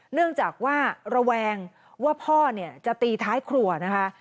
เนื่องจากว่าระแวงว่าพ่อเนี่ยจะตีท้ายครัวนะคะ